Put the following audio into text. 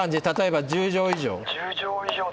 例えば１０錠以上？